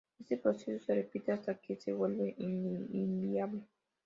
Este proceso se repite hasta que se vuelve inviable.